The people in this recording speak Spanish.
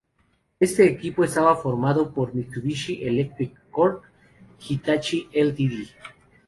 Este equipo estaba formado por Mitsubishi Electric Corp., Hitachi Ltd.